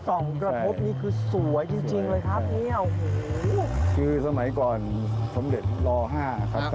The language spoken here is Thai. โอ้โฮเห็นแล้วนะครับ